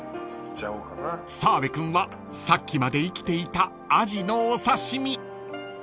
［澤部君はさっきまで生きていたアジのお刺し身］